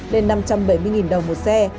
lên năm trăm bảy mươi đồng một xe